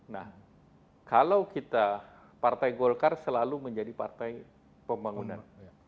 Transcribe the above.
nah kalau kita partai golkar selalu menjadi partai pembangunan